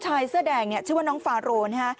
ชายเสื้อแดงชื่อว่าน้องฟาโร